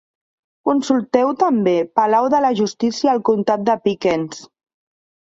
Consulteu també: "Palau de la justícia del comtat de Pickens".